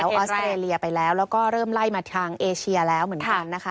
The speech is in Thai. ออสเตรเลียไปแล้วแล้วก็เริ่มไล่มาทางเอเชียแล้วเหมือนกันนะคะ